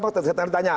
oke saya ingin ditanya